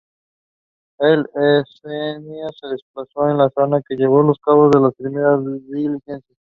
La Ertzaintza se desplazó a la zona y llevó a cabo las primeras diligencias.